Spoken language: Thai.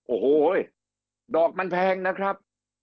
โอ้โหดอกมันแพงนะครับ